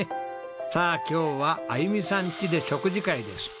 さあ今日はあゆみさんちで食事会です。